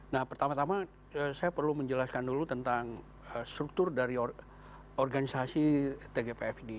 nah pertama tama saya perlu menjelaskan dulu tentang struktur dari organisasi tgpf ini